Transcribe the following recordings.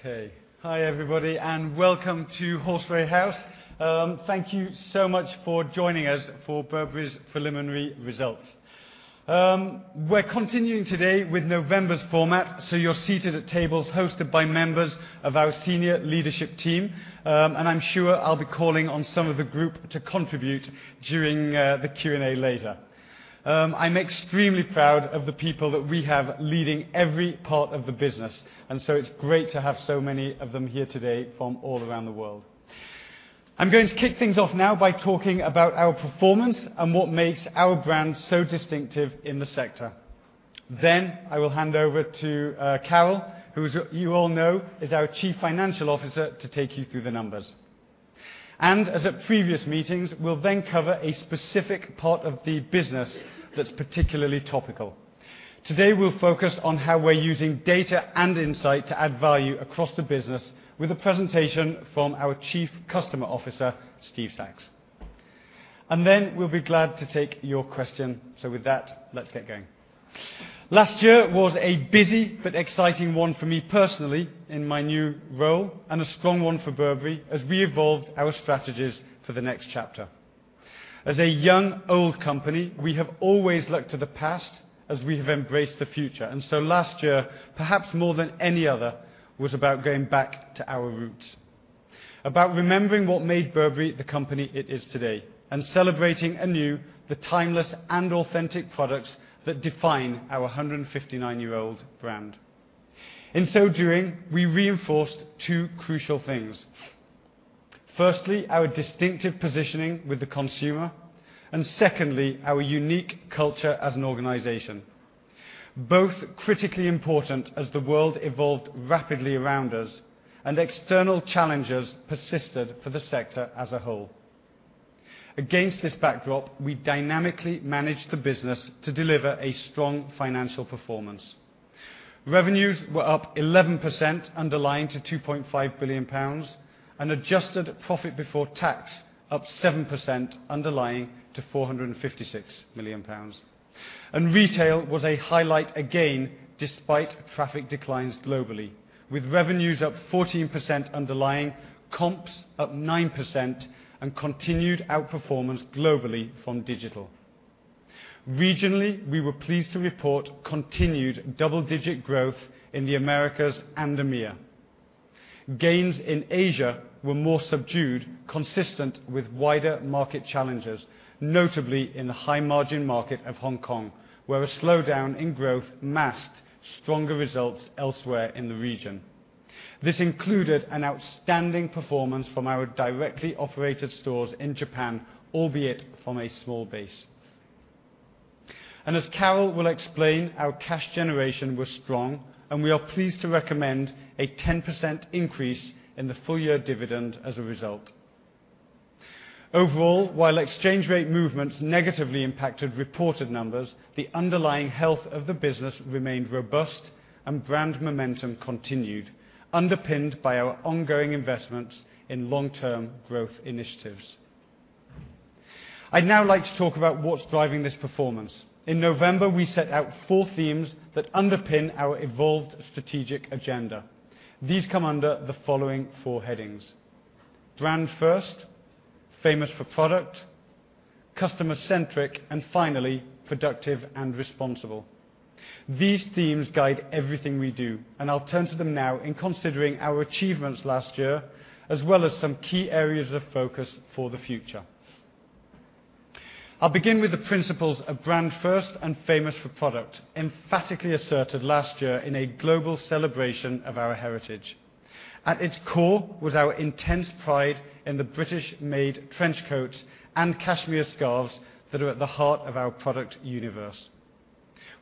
Okay. Hi everybody, welcome to Horseferry House. Thank you so much for joining us for Burberry's preliminary results. We're continuing today with November's format, so you're seated at tables hosted by members of our senior leadership team. I'm sure I'll be calling on some of the group to contribute during the Q&A later. I'm extremely proud of the people that we have leading every part of the business, it's great to have so many of them here today from all around the world. I'm going to kick things off now by talking about our performance and what makes our brand so distinctive in the sector. I will hand over to Carol, who as you all know, is our Chief Financial Officer, to take you through the numbers. As at previous meetings, we'll then cover a specific part of the business that's particularly topical. Today we'll focus on how we're using data and insight to add value across the business with a presentation from our Chief Customer Officer, Steve Sacks. We'll be glad to take your question. With that, let's get going. Last year was a busy but exciting one for me personally in my new role, and a strong one for Burberry as we evolved our strategies for the next chapter. As a young old company, we have always looked to the past as we have embraced the future. Last year, perhaps more than any other, was about going back to our roots. About remembering what made Burberry the company it is today, and celebrating anew the timeless and authentic products that define our 159-year-old brand. In so doing, we reinforced two crucial things. Firstly, our distinctive positioning with the consumer and secondly, our unique culture as an organization. Both critically important as the world evolved rapidly around us and external challenges persisted for the sector as a whole. Against this backdrop, we dynamically managed the business to deliver a strong financial performance. Revenues were up 11% underlying to 2.5 billion pounds, and adjusted profit before tax up 7% underlying to 456 million pounds. Retail was a highlight again despite traffic declines globally, with revenues up 14% underlying, comps up 9% and continued outperformance globally from digital. Regionally, we were pleased to report continued double-digit growth in the Americas and EMEA. Gains in Asia were more subdued, consistent with wider market challenges, notably in the high-margin market of Hong Kong, where a slowdown in growth masked stronger results elsewhere in the region. This included an outstanding performance from our directly operated stores in Japan, albeit from a small base. As Carol will explain, our cash generation was strong and we are pleased to recommend a 10% increase in the full year dividend as a result. Overall, while exchange rate movements negatively impacted reported numbers, the underlying health of the business remained robust and brand momentum continued, underpinned by our ongoing investments in long-term growth initiatives. I'd now like to talk about what's driving this performance. In November, we set out four themes that underpin our evolved strategic agenda. These come under the following four headings. Brand first, famous for product, customer-centric, and finally, productive and responsible. These themes guide everything we do, and I'll turn to them now in considering our achievements last year, as well as some key areas of focus for the future. I'll begin with the principles of brand first and famous for product, emphatically asserted last year in a global celebration of our heritage. At its core was our intense pride in the British-made trench coats and cashmere scarves that are at the heart of our product universe.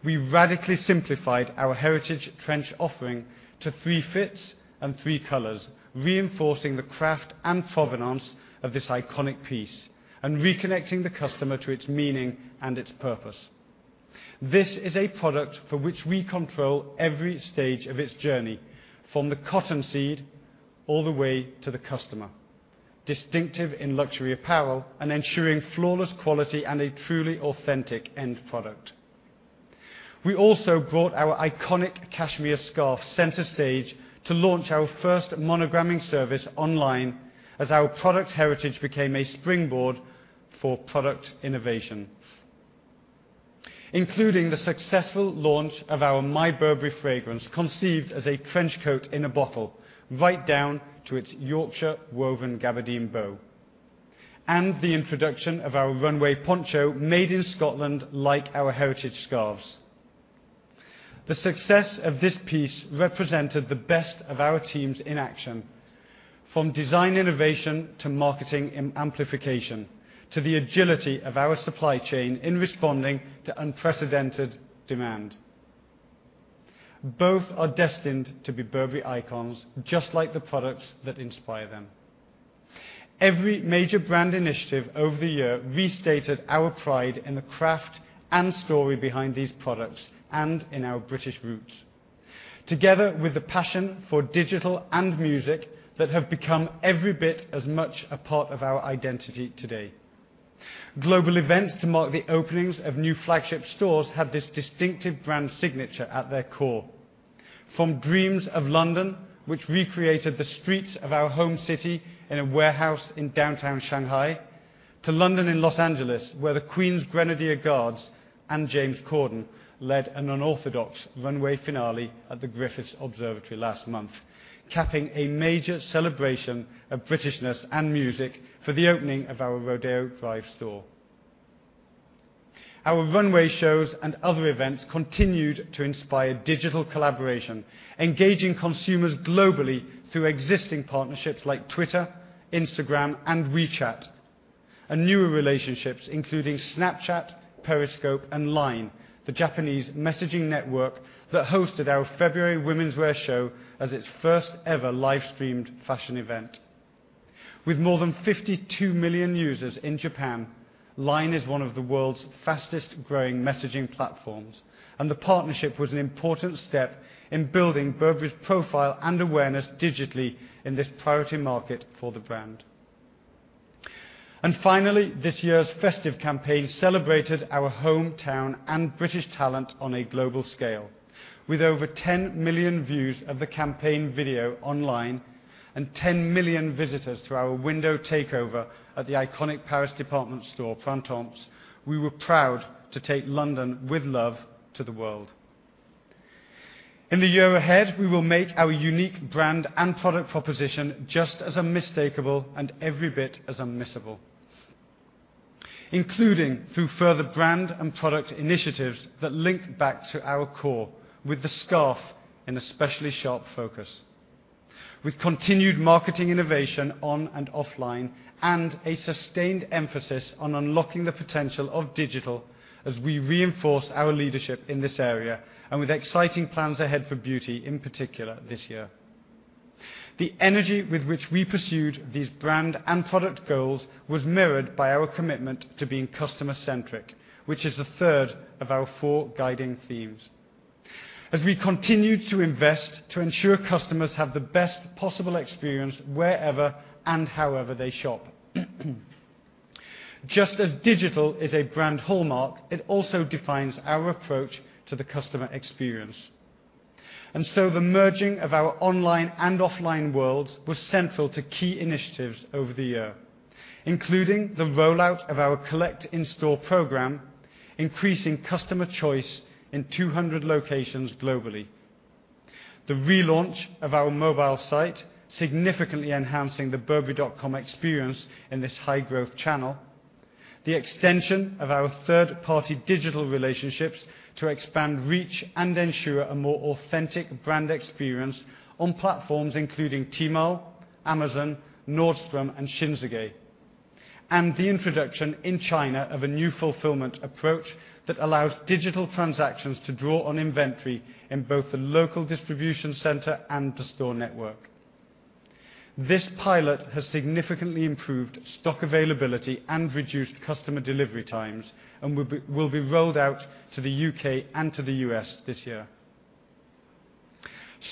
We radically simplified our heritage trench offering to three fits and three colors, reinforcing the craft and provenance of this iconic piece and reconnecting the customer to its meaning and its purpose. This is a product for which we control every stage of its journey, from the cotton seed all the way to the customer. Distinctive in luxury apparel and ensuring flawless quality and a truly authentic end product. We also brought our iconic cashmere scarf center stage to launch our first monogramming service online as our product heritage became a springboard for product innovation. Including the successful launch of our My Burberry fragrance, conceived as a trench coat in a bottle, right down to its Yorkshire woven gabardine bow. The introduction of our runway poncho made in Scotland like our heritage scarves. The success of this piece represented the best of our teams in action, from design innovation to marketing and amplification, to the agility of our supply chain in responding to unprecedented demand. Both are destined to be Burberry icons, just like the products that inspire them. Every major brand initiative over the year restated our pride in the craft and story behind these products and in our British roots. Together with the passion for digital and music that have become every bit as much a part of our identity today. Global events to mark the openings of new flagship stores have this distinctive brand signature at their core. From Dreams of London, which recreated the streets of our home city in a warehouse in downtown Shanghai, to London and Los Angeles, where the Queen's Grenadier Guards and James Corden led an unorthodox runway finale at the Griffith Observatory last month, capping a major celebration of Britishness and music for the opening of our Rodeo Drive store. Our runway shows and other events continued to inspire digital collaboration, engaging consumers globally through existing partnerships like Twitter, Instagram, and WeChat. Newer relationships including Snapchat, Periscope, and LINE, the Japanese messaging network that hosted our February women's wear show as its first ever live-streamed fashion event. With more than 52 million users in Japan, LINE is one of the world's fastest-growing messaging platforms, and the partnership was an important step in building Burberry's profile and awareness digitally in this priority market for the brand. Finally, this year's festive campaign celebrated our hometown and British talent on a global scale. With over 10 million views of the campaign video online and 10 million visitors to our window takeover at the iconic Paris department store, Printemps, we were proud to take London With Love to the world. In the year ahead, we will make our unique brand and product proposition just as unmistakable and every bit as unmissable. Including through further brand and product initiatives that link back to our core, with the scarf in especially sharp focus. With continued marketing innovation on and offline, a sustained emphasis on unlocking the potential of digital as we reinforce our leadership in this area, with exciting plans ahead for beauty in particular this year. The energy with which we pursued these brand and product goals was mirrored by our commitment to being customer-centric, which is the third of our four guiding themes, as we continue to invest to ensure customers have the best possible experience wherever and however they shop. Just as digital is a brand hallmark, it also defines our approach to the customer experience. The merging of our online and offline world was central to key initiatives over the year, including the rollout of our collect in-store program, increasing customer choice in 200 locations globally. The relaunch of our mobile site, significantly enhancing the burberry.com experience in this high-growth channel. The extension of our third-party digital relationships to expand reach and ensure a more authentic brand experience on platforms including Tmall, Amazon, Nordstrom, and Shinsegae. The introduction in China of a new fulfillment approach that allows digital transactions to draw on inventory in both the local distribution center and the store network. This pilot has significantly improved stock availability and reduced customer delivery times and will be rolled out to the U.K. and to the U.S. this year.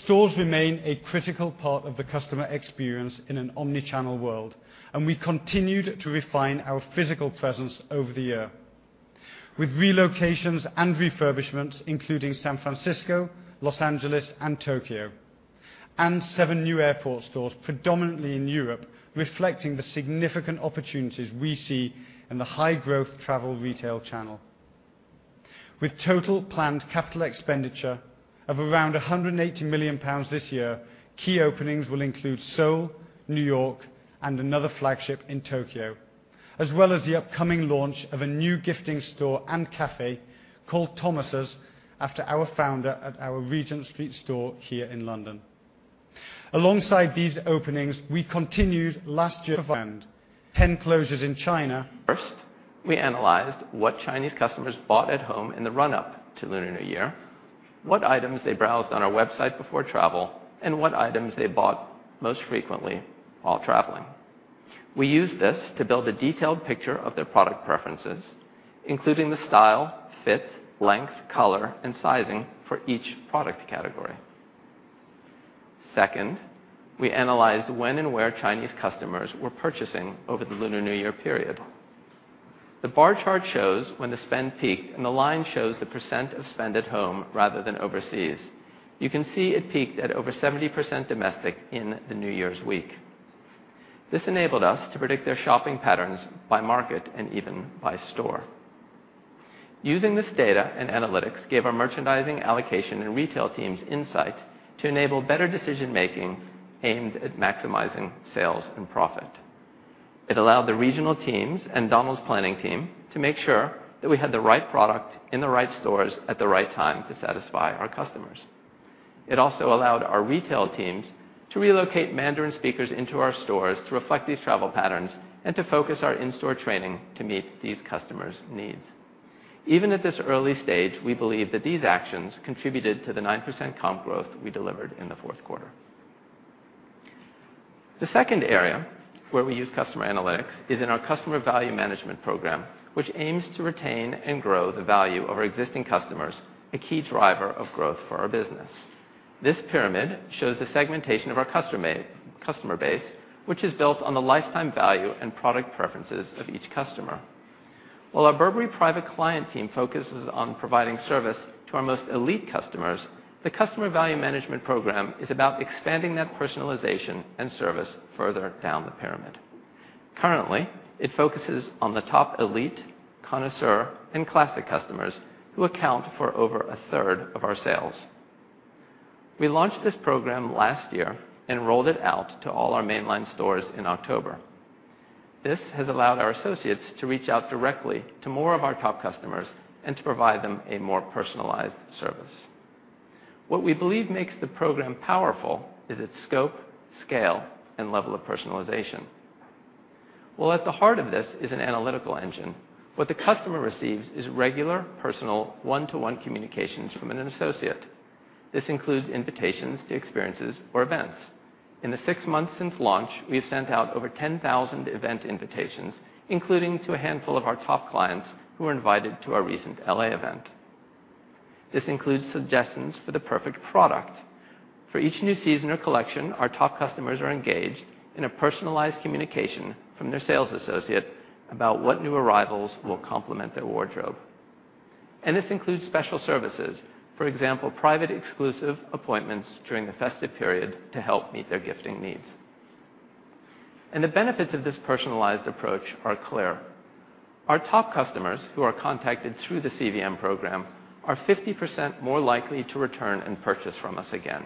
Stores remain a critical part of the customer experience in an omnichannel world, and we continued to refine our physical presence over the year. With relocations and refurbishments, including San Francisco, Los Angeles, and Tokyo. Seven new airport stores, predominantly in Europe, reflecting the significant opportunities we see in the high-growth travel retail channel. With total planned capital expenditure of around 180 million pounds this year, key openings will include Seoul, New York, and another flagship in Tokyo, as well as the upcoming launch of a new gifting store and cafe called Thomas's after our founder at our Regent Street store here in London. Alongside these openings, we continued last year of our brand, 10 closures in China. First, we analyzed what Chinese customers bought at home in the run-up to Lunar New Year, what items they browsed on our website before travel, and what items they bought most frequently while traveling. We used this to build a detailed picture of their product preferences, including the style, fit, length, color, and sizing for each product category. Second, we analyzed when and where Chinese customers were purchasing over the Lunar New Year period. The bar chart shows when the spend peaked, and the line shows the % of spend at home rather than overseas. You can see it peaked at over 70% domestic in the New Year's week. This enabled us to predict their shopping patterns by market and even by store. Using this data and analytics gave our merchandising, allocation, and retail teams insight to enable better decision-making aimed at maximizing sales and profit. It allowed the regional teams and Donald's planning team to make sure that we had the right product in the right stores at the right time to satisfy our customers. It also allowed our retail teams to relocate Mandarin speakers into our stores to reflect these travel patterns and to focus our in-store training to meet these customers' needs. Even at this early stage, we believe that these actions contributed to the 9% comp growth we delivered in the fourth quarter. The second area where we use customer analytics is in our Customer Value Management program, which aims to retain and grow the value of our existing customers, a key driver of growth for our business. This pyramid shows the segmentation of our customer base, which is built on the lifetime value and product preferences of each customer. While our Burberry private client team focuses on providing service to our most elite customers, the Customer Value Management program is about expanding that personalization and service further down the pyramid. Currently, it focuses on the top elite, connoisseur, and classic customers who account for over a third of our sales. We launched this program last year and rolled it out to all our mainline stores in October. This has allowed our associates to reach out directly to more of our top customers and to provide them a more personalized service. What we believe makes the program powerful is its scope, scale, and level of personalization. While at the heart of this is an analytical engine, what the customer receives is regular, personal, one-to-one communications from an associate. This includes invitations to experiences or events. In the six months since launch, we have sent out over 10,000 event invitations, including to a handful of our top clients who were invited to our recent L.A. event. This includes suggestions for the perfect product. For each new season or collection, our top customers are engaged in a personalized communication from their sales associate about what new arrivals will complement their wardrobe. This includes special services. For example, private exclusive appointments during the festive period to help meet their gifting needs. The benefits of this personalized approach are clear. Our top customers who are contacted through the CVM program are 50% more likely to return and purchase from us again.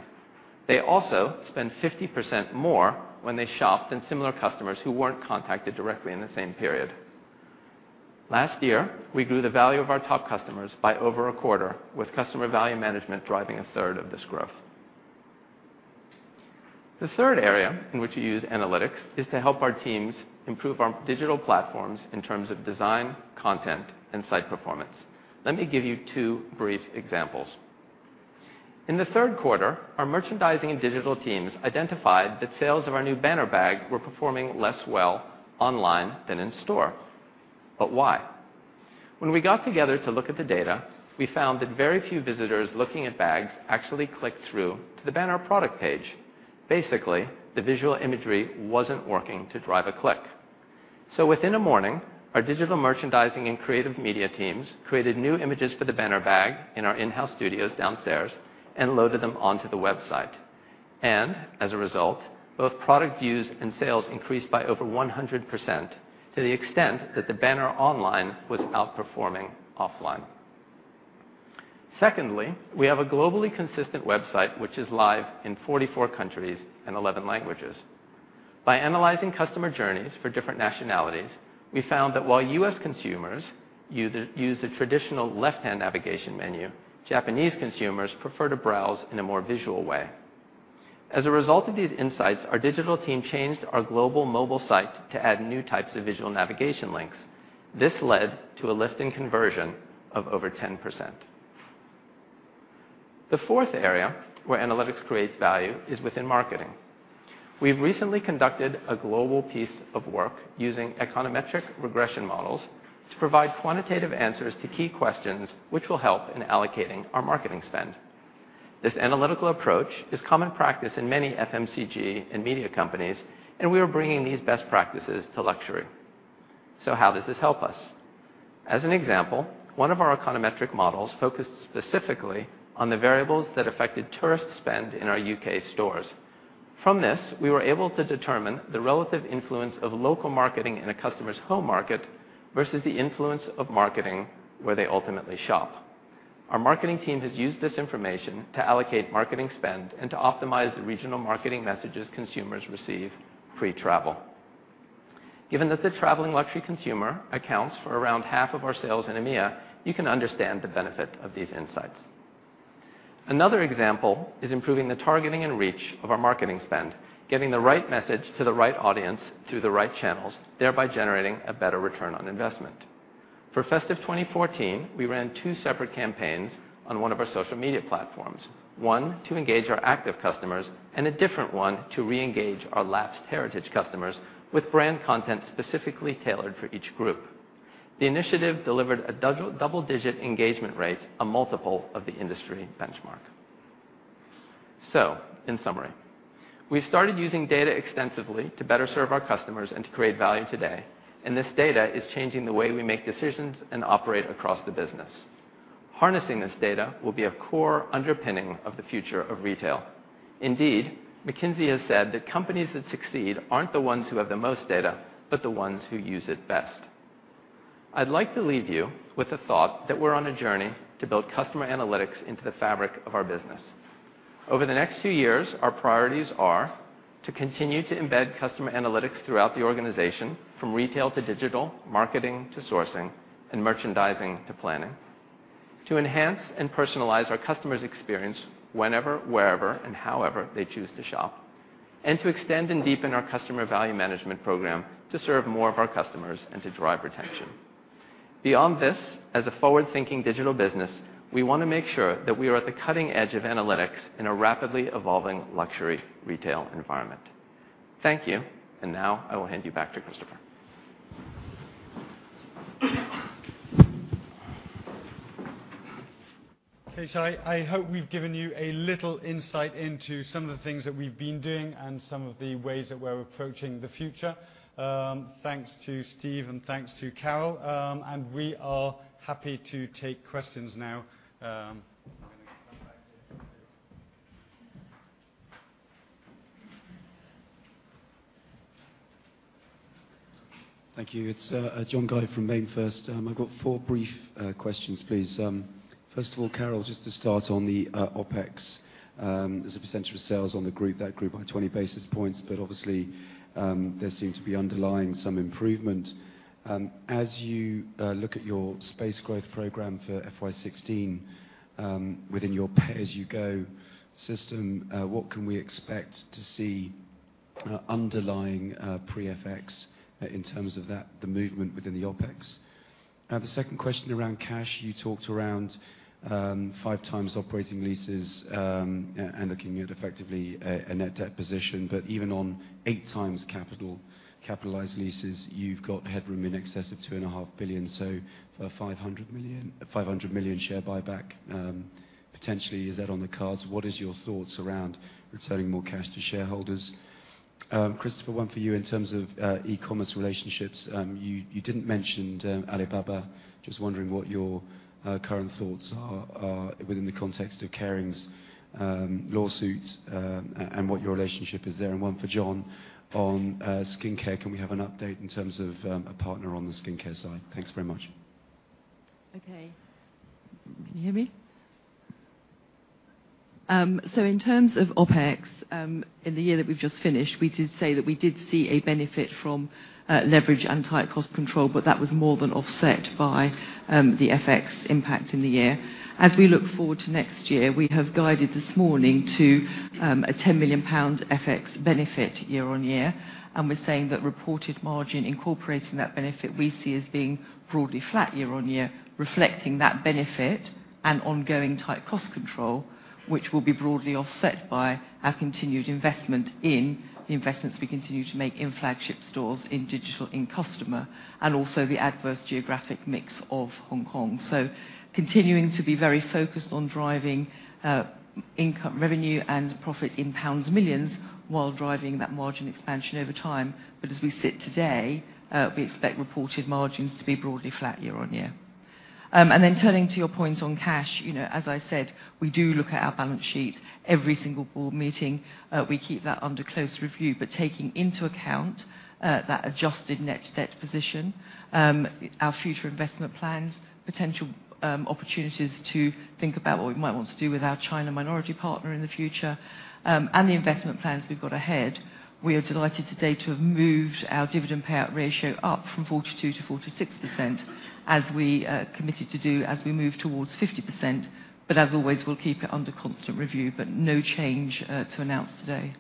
They also spend 50% more when they shop than similar customers who weren't contacted directly in the same period. Last year, we grew the value of our top customers by over a quarter, with customer value management driving a third of this growth. The third area in which we use analytics is to help our teams improve our digital platforms in terms of design, content, and site performance. Let me give you two brief examples. In the third quarter, our merchandising and digital teams identified that sales of our new Banner bag were performing less well online than in store. Why? When we got together to look at the data, we found that very few visitors looking at bags actually clicked through to the Banner product page. Basically, the visual imagery wasn't working to drive a click. Within a morning, our digital merchandising and creative media teams created new images for the Banner bag in our in-house studios downstairs and loaded them onto the website. As a result, both product views and sales increased by over 100% to the extent that the Banner online was outperforming offline. Secondly, we have a globally consistent website, which is live in 44 countries and 11 languages. By analyzing customer journeys for different nationalities, we found that while U.S. consumers use the traditional left-hand navigation menu, Japanese consumers prefer to browse in a more visual way. As a result of these insights, our digital team changed our global mobile site to add new types of visual navigation links. This led to a lift in conversion of over 10%. The fourth area where analytics creates value is within marketing. We've recently conducted a global piece of work using econometric regression models to provide quantitative answers to key questions which will help in allocating our marketing spend. This analytical approach is common practice in many FMCG and media companies, we are bringing these best practices to luxury. How does this help us? As an example, one of our econometric models focused specifically on the variables that affected tourist spend in our U.K. stores. From this, we were able to determine the relative influence of local marketing in a customer's home market versus the influence of marketing where they ultimately shop. Our marketing team has used this information to allocate marketing spend and to optimize the regional marketing messages consumers receive pre-travel. Given that the traveling luxury consumer accounts for around half of our sales in EMEA, you can understand the benefit of these insights. Another example is improving the targeting and reach of our marketing spend, getting the right message to the right audience through the right channels, thereby generating a better return on investment. For festive 2014, we ran two separate campaigns on one of our social media platforms. One to engage our active customers and a different one to reengage our lapsed heritage customers with brand content specifically tailored for each group. The initiative delivered double-digit engagement rates, a multiple of the industry benchmark. In summary, we started using data extensively to better serve our customers and to create value today. This data is changing the way we make decisions and operate across the business. Harnessing this data will be a core underpinning of the future of retail. Indeed, McKinsey has said that companies that succeed aren't the ones who have the most data, but the ones who use it best. I'd like to leave you with a thought that we're on a journey to build customer analytics into the fabric of our business. Over the next few years, our priorities are to continue to embed customer analytics throughout the organization, from retail to digital, marketing to sourcing, and merchandising to planning. To enhance and personalize our customer's experience whenever, wherever, and however they choose to shop. To extend and deepen our customer value management program to serve more of our customers and to drive retention. Beyond this, as a forward-thinking digital business, we want to make sure that we are at the cutting edge of analytics in a rapidly evolving luxury retail environment. Thank you. Now I will hand you back to Christopher. Okay. I hope we've given you a little insight into some of the things that we've been doing and some of the ways that we're approaching the future. Thanks to Steve and thanks to Carol. We are happy to take questions now. I'm going to come back there. Thank you. It's John Guy from MainFirst. I've got four brief questions, please. First of all, Carol, just to start on the OpEx as a percentage of sales on the group, that group by 20 basis points, obviously, there seem to be underlying some improvement. As you look at your space growth program for FY 2016 within your pay-as-you-go system, what can we expect to see underlying pre-FX in terms of the movement within the OpEx? The second question around cash, you talked around five times operating leases, and looking at effectively a net debt position, even on eight times capitalized leases, you've got headroom in excess of $2.5 billion. For 500 million share buyback, potentially is that on the cards? What is your thoughts around returning more cash to shareholders? Christopher, one for you in terms of e-commerce relationships. You didn't mention Alibaba. Just wondering what your current thoughts are within the context of Kering's lawsuits, and what your relationship is there. One for John on skincare. Can we have an update in terms of a partner on the skincare side? Thanks very much. Okay. Can you hear me? In terms of OpEx, in the year that we've just finished, we did say that we did see a benefit from leverage and tight cost control, that was more than offset by the FX impact in the year. As we look forward to next year, we have guided this morning to a 10 million pound FX benefit year on year, we're saying that reported margin incorporating that benefit we see as being broadly flat year on year, reflecting that benefit ongoing tight cost control, which will be broadly offset by our continued investment in the investments we continue to make in flagship stores, in digital, in customer, also the adverse geographic mix of Hong Kong. Continuing to be very focused on driving revenue and profit in pounds millions while driving that margin expansion over time. As we sit today, we expect reported margins to be broadly flat year-over-year. Turning to your point on cash, as I said, we do look at our balance sheet every single board meeting. We keep that under close review. Taking into account that adjusted net debt position, our future investment plans, potential opportunities to think about what we might want to do with our China minority partner in the future, and the investment plans we've got ahead, we are delighted today to have moved our dividend payout ratio up from 42% to 46%, as we committed to do, as we move towards 50%. As always, we'll keep it under constant review, but no change to announce today.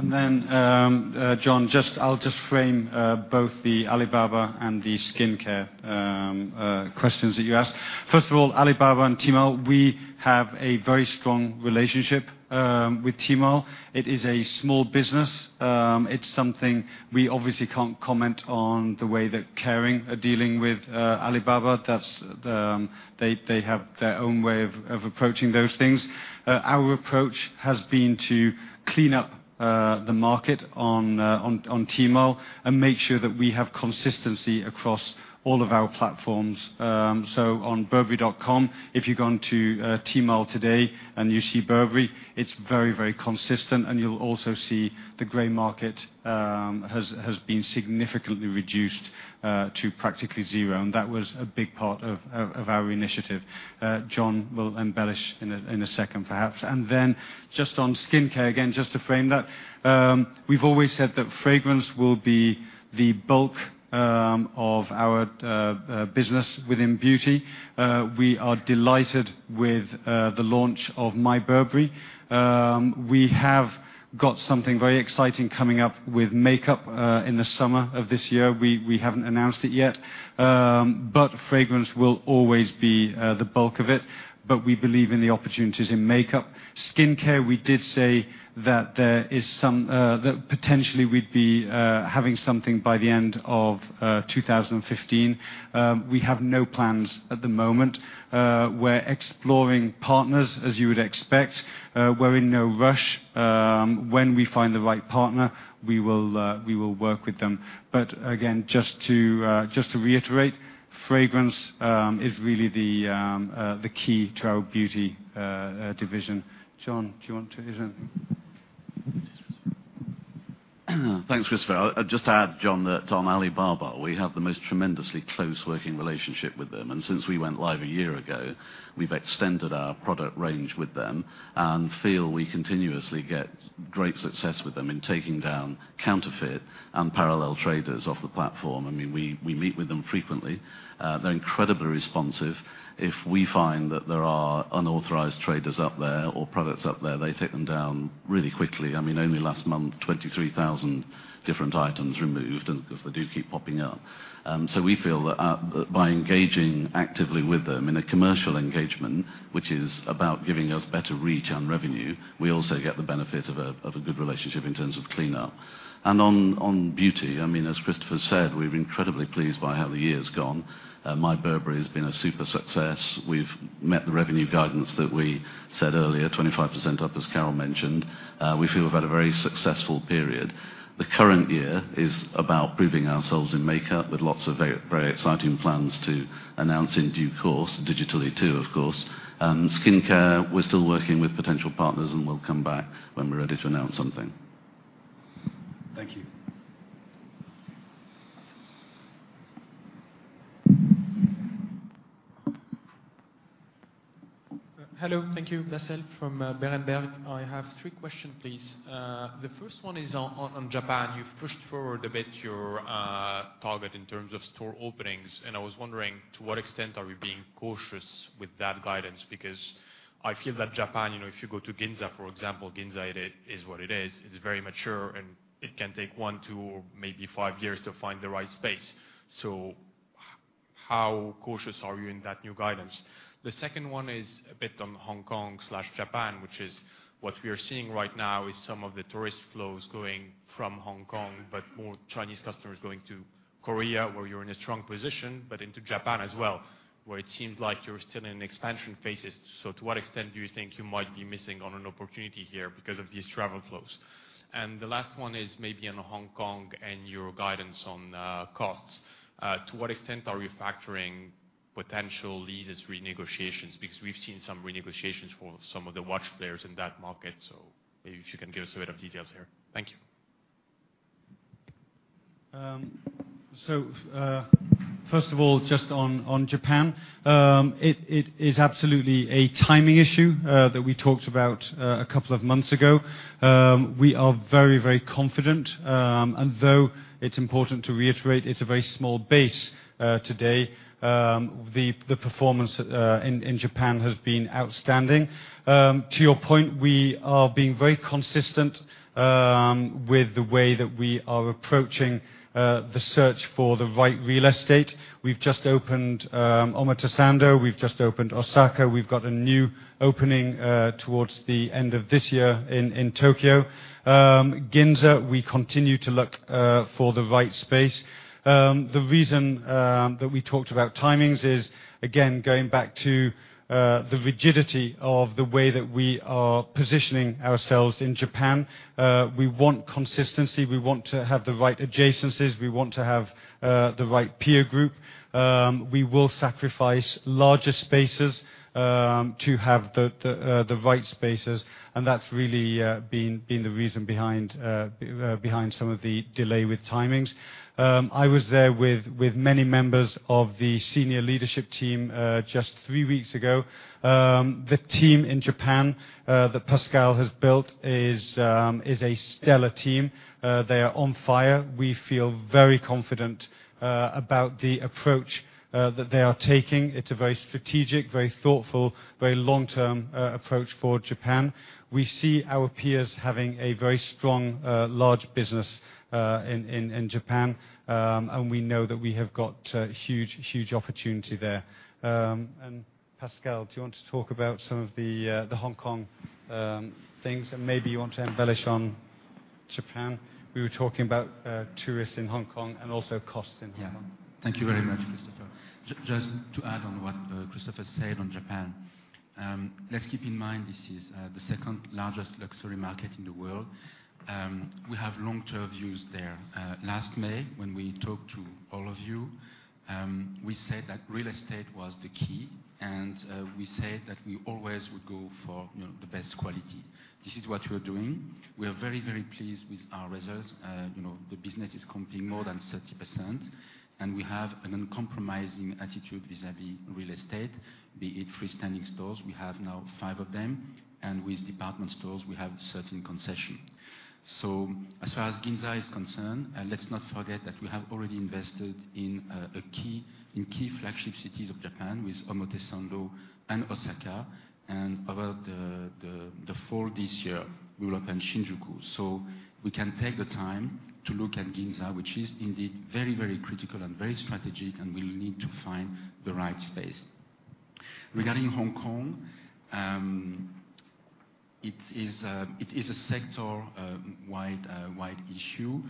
John, I'll just frame both the Alibaba and the skincare questions that you asked. First of all, Alibaba and Tmall, we have a very strong relationship with Tmall. It is a small business. It's something we obviously can't comment on the way that Kering are dealing with Alibaba. They have their own way of approaching those things. Our approach has been to clean up the market on Tmall and make sure that we have consistency across all of our platforms. So on burberry.com, if you go onto Tmall today and you see Burberry, it's very consistent. You'll also see the gray market has been significantly reduced to practically zero. That was a big part of our initiative. John will embellish in a second, perhaps. Just on skincare, again, just to frame that, we've always said that fragrance will be the bulk of our business within beauty. We are delighted with the launch of My Burberry. We have got something very exciting coming up with makeup in the summer of this year. We haven't announced it yet. Fragrance will always be the bulk of it. We believe in the opportunities in makeup. Skincare, we did say that potentially we'd be having something by the end of 2015. We have no plans at the moment. We're exploring partners, as you would expect. We're in no rush. When we find the right partner, we will work with them. Again, just to reiterate, fragrance is really the key to our beauty division. John, do you want to add anything? Thanks, Christopher. I'll just add, John, that on Alibaba, we have the most tremendously close working relationship with them. Since we went live a year ago, we've extended our product range with them and feel we continuously get great success with them in taking down counterfeit and parallel traders off the platform. We meet with them frequently. They're incredibly responsive. If we find that there are unauthorized traders up there or products up there, they take them down really quickly. Only last month, 23,000 different items removed, because they do keep popping up. We feel that by engaging actively with them in a commercial engagement, which is about giving us better reach and revenue, we also get the benefit of a good relationship in terms of cleanup. On beauty, as Christopher said, we're incredibly pleased by how the year has gone. My Burberry has been a super success. We've met the revenue guidance that we said earlier, 25% up, as Carol mentioned. We feel we've had a very successful period. The current year is about proving ourselves in makeup with lots of very exciting plans to announce in due course, digitally too, of course. Skincare, we're still working with potential partners, and we'll come back when we're ready to announce something. Thank you. Hello. Thank you. Bassel from Berenberg. I have three question, please. The first one is on Japan. You've pushed forward a bit your target in terms of store openings, and I was wondering to what extent are we being cautious with that guidance, because I feel that Japan, if you go to Ginza, for example, Ginza is what it is. It's very mature, and it can take one, two, or maybe five years to find the right space. How cautious are you in that new guidance? The second one is a bit on Hong Kong/Japan, which is what we are seeing right now is some of the tourist flows going from Hong Kong, more Chinese customers going to Korea, where you're in a strong position, but into Japan as well, where it seems like you're still in expansion phases. To what extent do you think you might be missing on an opportunity here because of these travel flows? The last one is maybe on Hong Kong and your guidance on costs. To what extent are you factoring potential leases renegotiations? Because we've seen some renegotiations for some of the watch players in that market, maybe if you can give us a bit of details here. Thank you. First of all, just on Japan. It is absolutely a timing issue that we talked about a couple of months ago. We are very confident, and though it's important to reiterate it's a very small base today, the performance in Japan has been outstanding. To your point, we are being very consistent with the way that we are approaching the search for the right real estate. We've just opened Omotesando. We've just opened Osaka. We've got a new opening towards the end of this year in Tokyo. Ginza, we continue to look for the right space. The reason that we talked about timings is, again, going back to the rigidity of the way that we are positioning ourselves in Japan. We want consistency. We want to have the right adjacencies. We want to have the right peer group. We will sacrifice larger spaces to have the right spaces, and that's really been the reason behind some of the delay with timings. I was there with many members of the senior leadership team just three weeks ago. The team in Japan that Pascal has built is a stellar team. They are on fire. We feel very confident about the approach that they are taking. It's a very strategic, very thoughtful, very long-term approach for Japan. We see our peers having a very strong large business in Japan, and we know that we have got huge opportunity there. Pascal, do you want to talk about some of the Hong Kong things, and maybe you want to embellish on Japan? We were talking about tourists in Hong Kong and also costs in Hong Kong. Thank you very much, Christopher. Just to add on what Christopher said on Japan. Let's keep in mind this is the second-largest luxury market in the world. We have long-term views there. Last May, when we talked to all of you, we said that real estate was the key, and we said that we always would go for the best quality. This is what we are doing. We are very pleased with our results. The business is comping more than 30%, and we have an uncompromising attitude vis-à-vis real estate, be it freestanding stores, we have now five of them, and with department stores, we have certain concessions. As far as Ginza is concerned, let's not forget that we have already invested in key flagship cities of Japan with Omotesando and Osaka, and about the fall this year, we will open Shinjuku. We can take the time to look at Ginza, which is indeed very critical and very strategic, and we need to find the right space. Regarding Hong Kong, it is a sector-wide issue.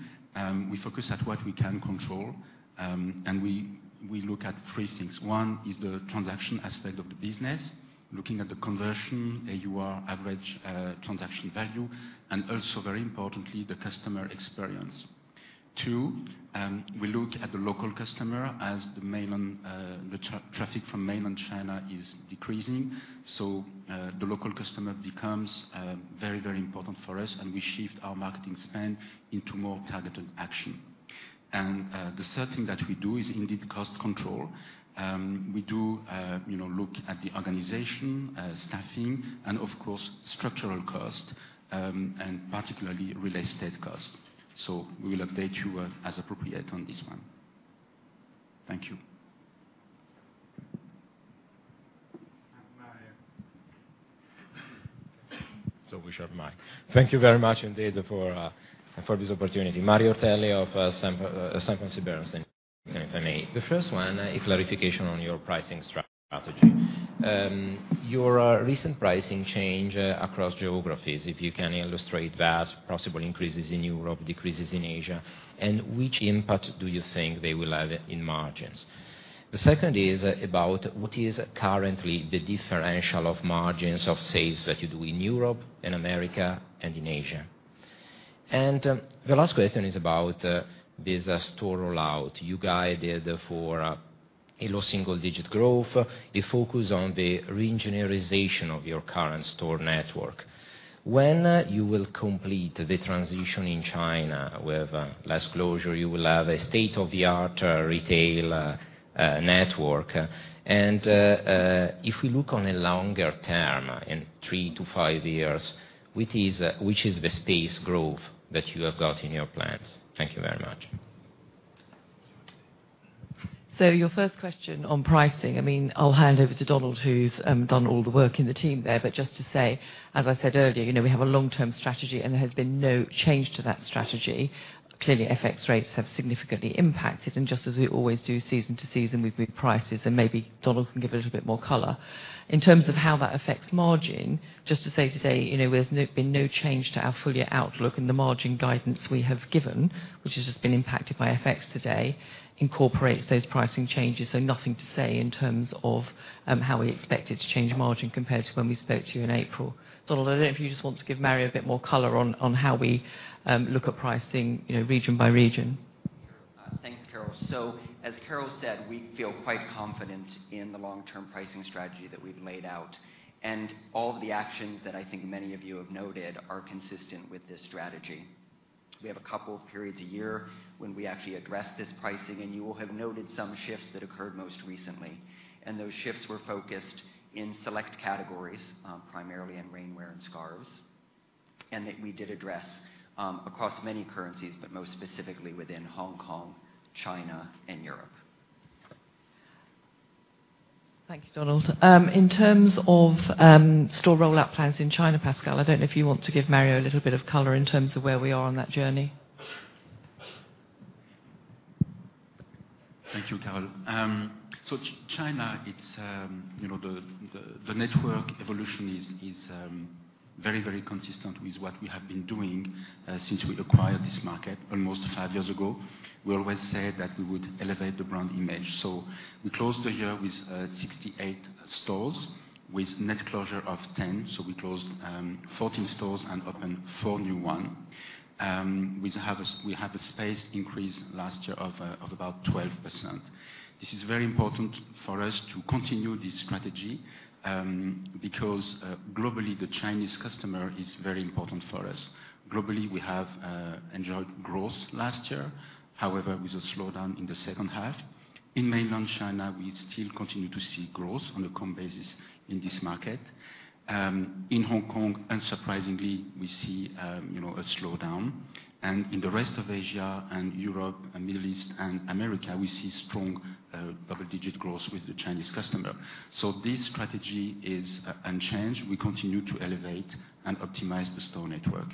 We focus at what we can control, and we look at three things. One is the transaction aspect of the business, looking at the conversion, AUR, average transaction value, and also very importantly, the customer experience. Two, we look at the local customer as the traffic from mainland China is decreasing. The local customer becomes very important for us, and we shift our marketing spend into more targeted action. The third thing that we do is indeed cost control. We do look at the organization, staffing, and of course structural cost, and particularly real estate cost. We will update you as appropriate on this one. Thank you. Mario. We share the mic. Thank you very much indeed for this opportunity. Mario Ortelli of Sanford C. Bernstein, if I may. The first one, a clarification on your pricing strategy. Your recent pricing change across geographies, if you can illustrate that. Possible increases in Europe, decreases in Asia, which impact do you think they will have in margins? The second is about what is currently the differential of margins of sales that you do in Europe, in America, and in Asia. The last question is about business store rollout. You guided for a low single-digit growth. You focus on the re-engineerization of your current store network. When you will complete the transition in China with less closure, you will have a state-of-the-art retail network. If we look on a longer term, in 3 to 5 years, which is the space growth that you have got in your plans? Thank you very much. Your first question on pricing, I'll hand over to Donald, who's done all the work in the team there. Just to say, as I said earlier, we have a long-term strategy, and there has been no change to that strategy. Clearly, FX rates have significantly impacted, just as we always do season to season, we move prices, and maybe Donald can give a little bit more color. In terms of how that affects margin, just to say today, there's been no change to our full-year outlook, and the margin guidance we have given, which has just been impacted by FX today, incorporates those pricing changes. Nothing to say in terms of how we expect it to change margin compared to when we spoke to you in April. Donald, I don't know if you just want to give Mario a bit more color on how we look at pricing region by region. Thanks, Carol. As Carol said, we feel quite confident in the long-term pricing strategy that we've laid out, and all of the actions that I think many of you have noted are consistent with this strategy. We have a couple of periods a year when we actually address this pricing, and you will have noted some shifts that occurred most recently. Those shifts were focused in select categories, primarily in rainwear and scarves, and that we did address across many currencies, but most specifically within Hong Kong, China, and Europe. Thank you, Donald. In terms of store rollout plans in China, Pascal, I don't know if you want to give Mario a little bit of color in terms of where we are on that journey. Thank you, Carol. China, the network evolution is very consistent with what we have been doing since we acquired this market almost five years ago. We always said that we would elevate the brand image. We closed the year with 68 stores with net closure of 10. We closed 14 stores and opened four new one. We have a space increase last year of about 12%. This is very important for us to continue this strategy, because globally, the Chinese customer is very important for us. Globally, we have enjoyed growth last year. However, with a slowdown in the second half. In mainland China, we still continue to see growth on a comp basis in this market. In Hong Kong, unsurprisingly, we see a slowdown. In the rest of Asia and Europe and Middle East and America, we see strong double-digit growth with the Chinese customer. This strategy is unchanged. We continue to elevate and optimize the store network.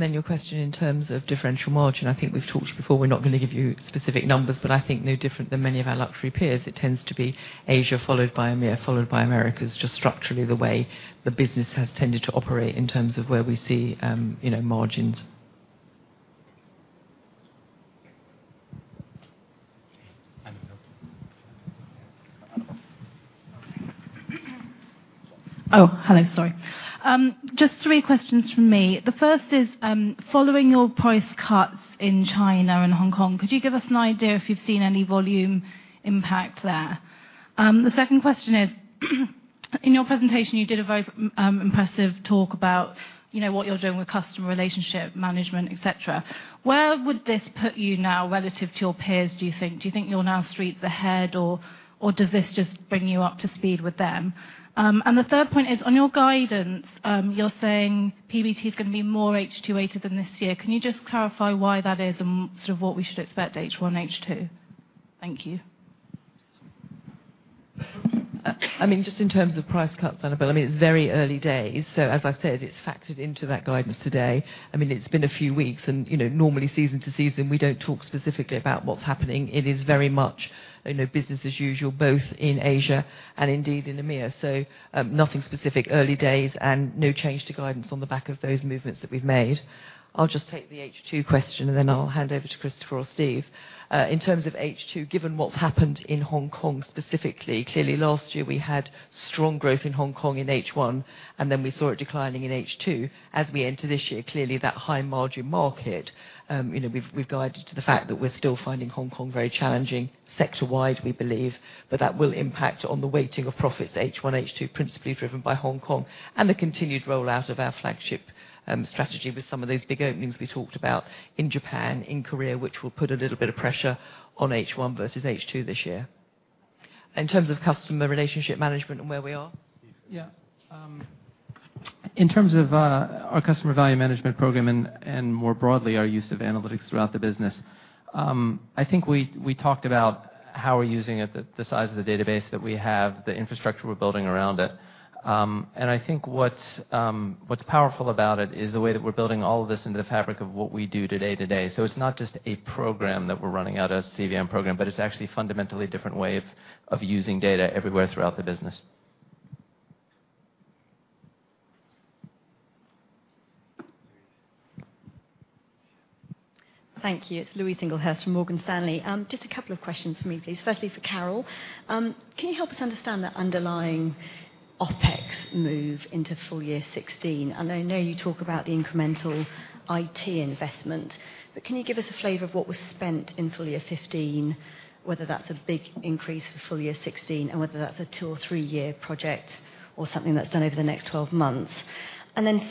Your question in terms of differential margin, I think we've talked before. We're not going to give you specific numbers, but I think no different than many of our luxury peers. It tends to be Asia, followed by EMEA, followed by Americas, just structurally the way the business has tended to operate in terms of where we see margins. Annabelle. Oh, hello. Sorry. Just three questions from me. The first is, following your price cuts in China and Hong Kong, could you give us an idea if you've seen any volume impact there? The second question is, in your presentation, you did a very impressive talk about what you're doing with customer relationship management, et cetera. Where would this put you now relative to your peers, do you think? Do you think you're now streets ahead, or does this just bring you up to speed with them? The third point is, on your guidance, you're saying PBT's going to be more H2 weighted than this year. Can you just clarify why that is and sort of what we should expect H1, H2? Thank you. I mean, just in terms of price cuts, Annabelle, it's very early days. As I said, it's factored into that guidance today. It's been a few weeks and, normally season to season, we don't talk specifically about what's happening. It is very much business as usual, both in Asia and indeed in EMEA. Nothing specific, early days, and no change to guidance on the back of those movements that we've made. I'll just take the H2 question, and then I'll hand over to Christopher or Steve. In terms of H2, given what's happened in Hong Kong specifically, clearly last year we had strong growth in Hong Kong in H1, and then we saw it declining in H2. As we enter this year, clearly that high margin market, we've guided to the fact that we're still finding Hong Kong very challenging sector-wide, we believe. That will impact on the weighting of profits H1, H2, principally driven by Hong Kong and the continued rollout of our flagship strategy with some of those big openings we talked about in Japan, in Korea, which will put a little bit of pressure on H1 versus H2 this year. In terms of customer relationship management and where we are? Yeah. In terms of our customer value management program and more broadly, our use of analytics throughout the business, I think we talked about how we're using it, the size of the database that we have, the infrastructure we're building around it. I think what's powerful about it is the way that we're building all of this into the fabric of what we do day to day. It's not just a program that we're running out, a CVM program, but it's actually a fundamentally different way of using data everywhere throughout the business. Thank you. It's Louise Singlehurst from Morgan Stanley. Just a couple of questions from me, please. Firstly, for Carol. Can you help us understand the underlying OpEx move into full year 2016? I know you talk about the incremental IT investment, but can you give us a flavor of what was spent in full year 2015, whether that's a big increase for full year 2016, and whether that's a two- or three-year project or something that's done over the next 12 months?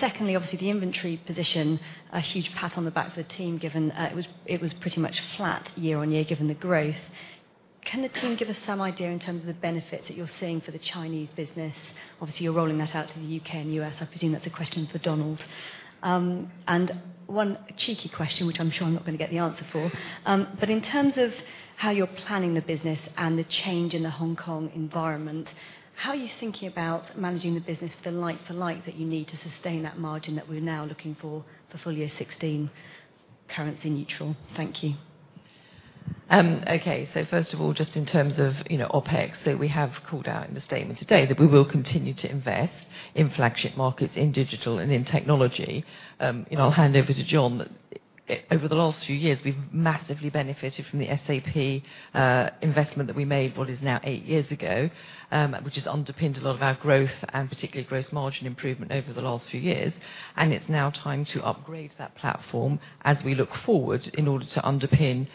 Secondly, obviously, the inventory position, a huge pat on the back for the team, given it was pretty much flat year-on-year, given the growth. Can the team give us some idea in terms of the benefits that you're seeing for the Chinese business? Obviously, you're rolling that out to the U.K. and U.S. I presume that's a question for Donald. One cheeky question, which I'm sure I'm not going to get the answer for. In terms of how you're planning the business and the change in the Hong Kong environment, how are you thinking about managing the business for the like that you need to sustain that margin that we're now looking for full year 2016, currency neutral? Thank you. First of all, just in terms of OpEx, that we have called out in the statement today, that we will continue to invest in flagship markets in digital and in technology. I'll hand over to John. Over the last few years, we've massively benefited from the SAP investment that we made what is now eight years ago, which has underpinned a lot of our growth, and particularly gross margin improvement over the last few years. It's now time to upgrade that platform as we look forward in order to underpin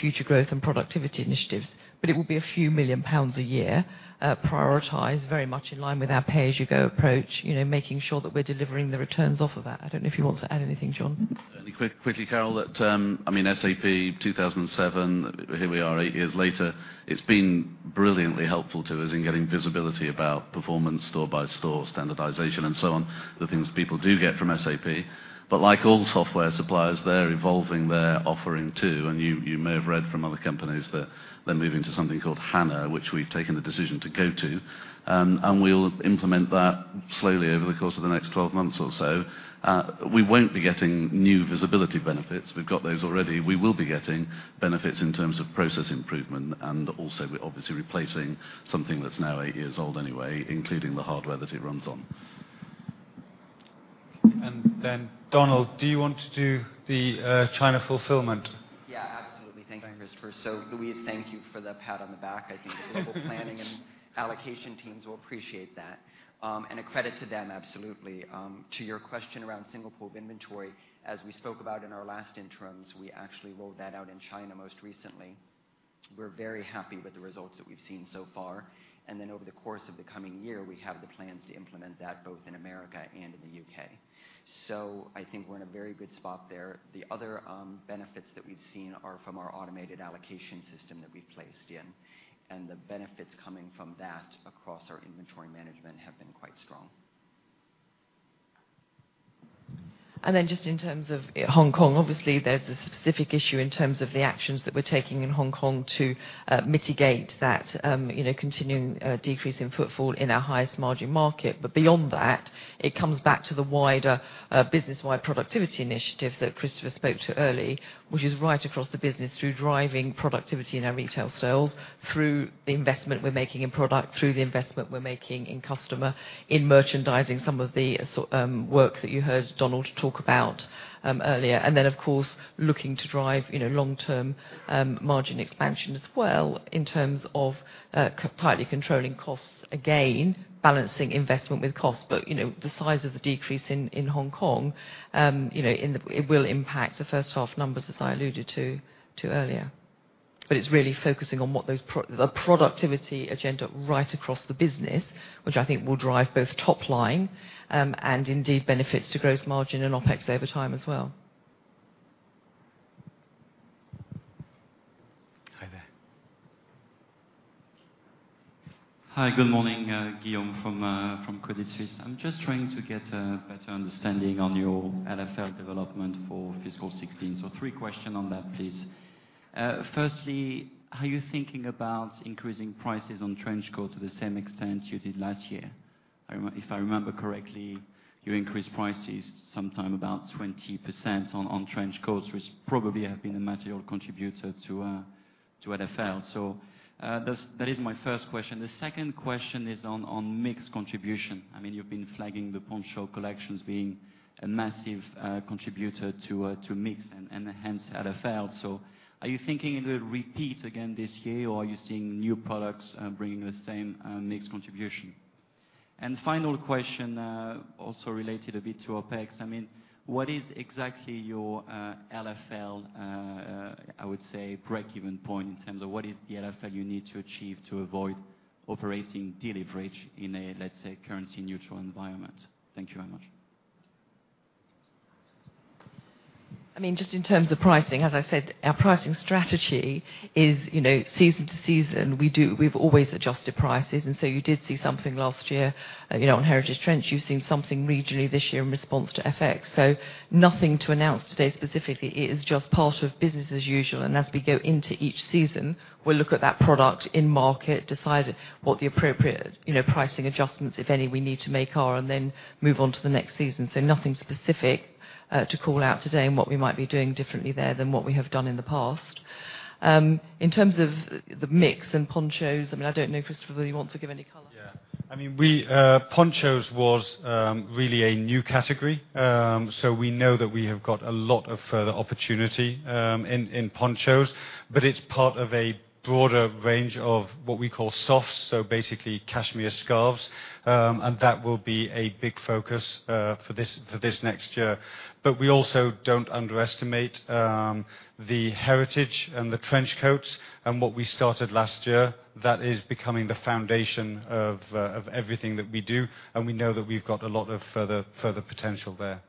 future growth and productivity initiatives. It will be a few million GBP a year, prioritized very much in line with our pay-as-you-go approach, making sure that we're delivering the returns off of that. I don't know if you want to add anything, John. Only quickly, Carol. I mean, SAP 2007, here we are eight years later. It's been brilliantly helpful to us in getting visibility about performance store by store standardization and so on, the things people do get from SAP. Like all software suppliers, they're evolving their offering, too. You may have read from other companies that they're moving to something called HANA, which we've taken the decision to go to. We'll implement that slowly over the course of the next 12 months or so. We won't be getting new visibility benefits. We've got those already. We will be getting benefits in terms of process improvement and also, we're obviously replacing something that's now eight years old anyway, including the hardware that it runs on. Donald, do you want to do the China fulfillment? Absolutely. Thank you, Christopher. Louise, thank you for the pat on the back. I think global planning and allocation teams will appreciate that. A credit to them, absolutely. To your question around single pool of inventory, as we spoke about in our last interims, we actually rolled that out in China most recently. We're very happy with the results that we've seen so far. Over the course of the coming year, we have the plans to implement that both in America and in the U.K. I think we're in a very good spot there. The other benefits that we've seen are from our automated allocation system that we've placed in, and the benefits coming from that across our inventory management have been quite strong. Just in terms of Hong Kong, obviously, there's a specific issue in terms of the actions that we're taking in Hong Kong to mitigate that continuing decrease in footfall in our highest margin market. Beyond that, it comes back to the wider business-wide productivity initiative that Christopher spoke to early, which is right across the business through driving productivity in our retail sales, through the investment we're making in product, through the investment we're making in customer, in merchandising, some of the work that you heard Donald talk about earlier. Of course, looking to drive long-term margin expansion as well in terms of tightly controlling costs, again, balancing investment with cost. The size of the decrease in Hong Kong, it will impact the first half numbers as I alluded to earlier. It's really focusing on the productivity agenda right across the business, which I think will drive both top line, and indeed benefits to gross margin and OpEx over time as well. Hi there. Hi, good morning. Guillaume from Credit Suisse. I'm just trying to get a better understanding on your LFL development for fiscal 2016. Three question on that, please. Firstly, are you thinking about increasing prices on trench coat to the same extent you did last year? If I remember correctly, you increased prices sometime about 20% on trench coats, which probably have been a material contributor to LFL. That is my first question. The second question is on mix contribution. You've been flagging the Poncho collections being a massive contributor to mix and hence LFL. Are you thinking it'll repeat again this year, or are you seeing new products bringing the same mix contribution? And final question, also related a bit to OpEx. What is exactly your LFL, I would say breakeven point in terms of what is the LFL you need to achieve to avoid operating deleverage in a, let's say, currency neutral environment? Thank you very much. Just in terms of pricing, as I said, our pricing strategy is season to season. We've always adjusted prices, you did see something last year on heritage trench. You've seen something regionally this year in response to FX. Nothing to announce today specifically. It is just part of business as usual. As we go into each season, we'll look at that product in market, decide what the appropriate pricing adjustments, if any, we need to make are, and then move on to the next season. Nothing specific to call out today and what we might be doing differently there than what we have done in the past. In terms of the mix and ponchos, I don't know, Christopher, whether you want to give any color. Yeah. Ponchos was really a new category. We know that we have got a lot of further opportunity in ponchos, but it's part of a broader range of what we call softs, basically cashmere scarves. That will be a big focus for this next year. We also don't underestimate the heritage and the trench coats and what we started last year. That is becoming the foundation of everything that we do, and we know that we've got a lot of further potential there.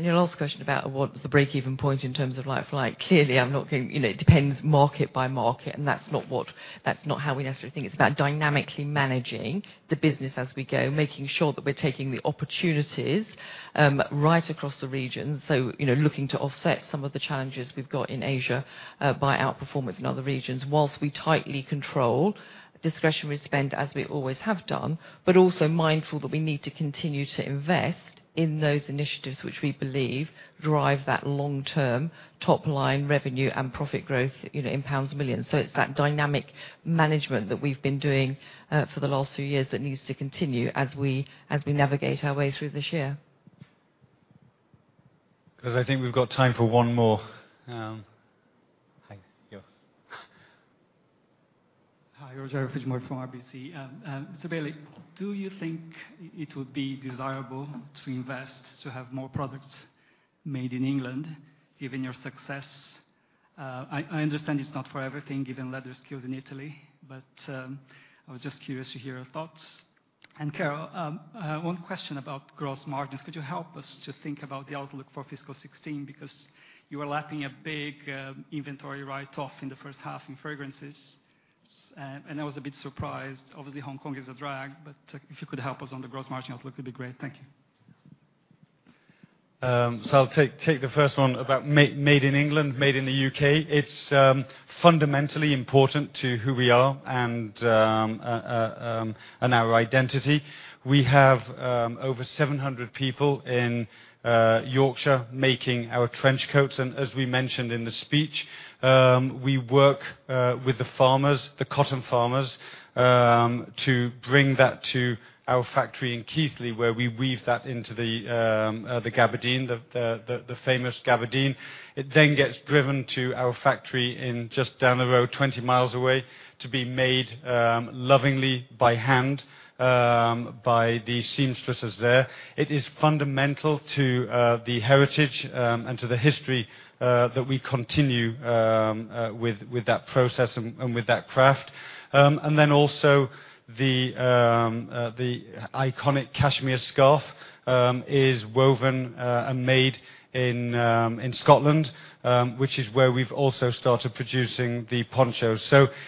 Your last question about what the break-even point in terms of like-for-like. Clearly, it depends market by market, and that's not how we necessarily think. It's about dynamically managing the business as we go, making sure that we're taking the opportunities right across the region. Looking to offset some of the challenges we've got in Asia by outperformance in other regions, whilst we tightly control discretionary spend as we always have done, but also mindful that we need to continue to invest in those initiatives which we believe drive that long-term top-line revenue and profit growth in million pounds. It's that dynamic management that we've been doing for the last few years that needs to continue as we navigate our way through this year. I think we've got time for one more. Hi. Yes. Hi. Rogerio Fujimori from RBC. Mr. Bailey, do you think it would be desirable to invest to have more products made in England given your success? I understand it's not for everything, given leather is skilled in Italy, but I was just curious to hear your thoughts. Carol, one question about gross margins. Could you help us to think about the outlook for fiscal 2016? Because you are lacking a big inventory write-off in the first half in fragrances, and I was a bit surprised. Obviously, Hong Kong is a drag, but if you could help us on the gross margin outlook, that'd be great. Thank you. I'll take the first one about made in England, made in the U.K. It's fundamentally important to who we are and our identity. We have over 700 people in Yorkshire making our trench coats, and as we mentioned in the speech, we work with the farmers, the cotton farmers, to bring that to our factory in Keighley, where we weave that into the gabardine, the famous gabardine. It then gets driven to our factory just down the road, 20 miles away, to be made lovingly by hand by the seamstresses there. It is fundamental to the heritage and to the history that we continue with that process and with that craft. Then also the iconic cashmere scarf is woven and made in Scotland, which is where we've also started producing the ponchos.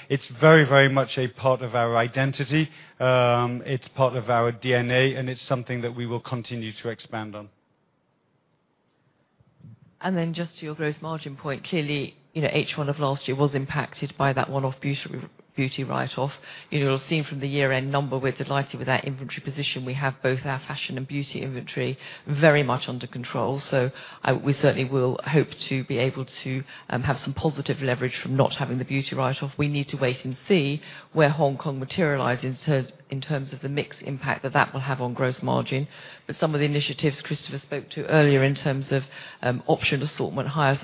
It's very much a part of our identity. It's part of our DNA, and it's something that we will continue to expand on. Then just to your gross margin point, clearly, H1 of last year was impacted by that one-off beauty write-off. You'll have seen from the year-end number with that inventory position, we have both our fashion and beauty inventory very much under control. We certainly will hope to be able to have some positive leverage from not having the beauty write-off. We need to wait and see where Hong Kong materializes in terms of the mix impact that that will have on gross margin. Some of the initiatives Christopher spoke to earlier in terms of option assortment, higher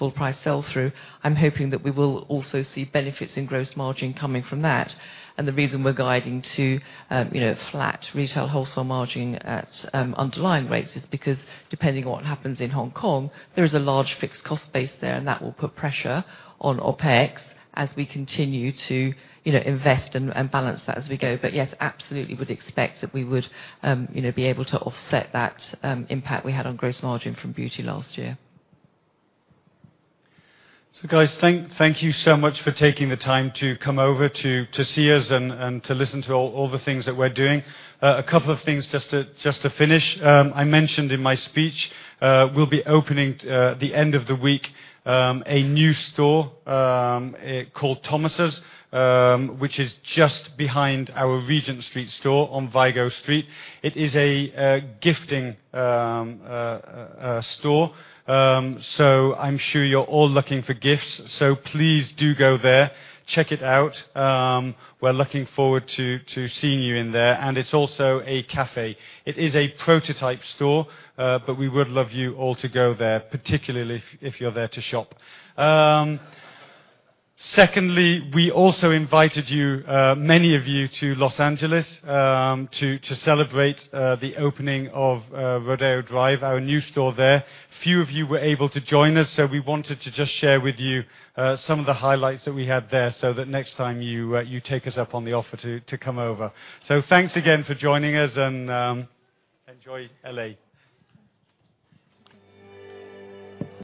full price sell-through, I'm hoping that we will also see benefits in gross margin coming from that. The reason we're guiding to flat retail wholesale margin at underlying rates is because depending on what happens in Hong Kong, there is a large fixed cost base there, and that will put pressure on OpEx as we continue to invest and balance that as we go. Yes, absolutely would expect that we would be able to offset that impact we had on gross margin from beauty last year. Guys, thank you so much for taking the time to come over to see us and to listen to all the things that we're doing. A couple of things just to finish. I mentioned in my speech, we'll be opening the end of the week, a new store called Thomas's, which is just behind our Regent Street store on Vigo Street. It is a gifting store. I'm sure you're all looking for gifts, so please do go there, check it out. We're looking forward to seeing you in there. It's also a cafe. It is a prototype store, but we would love you all to go there, particularly if you're there to shop. Secondly, we also invited many of you to Los Angeles to celebrate the opening of Rodeo Drive, our new store there. Few of you were able to join us, we wanted to just share with you some of the highlights that we had there that next time you take us up on the offer to come over. Thanks again for joining us, and enjoy L.A.